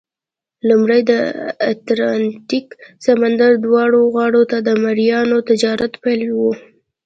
لومړی د اتلانتیک سمندر دواړو غاړو ته د مریانو تجارت پیل وو.